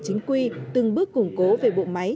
chính quy từng bước củng cố về bộ máy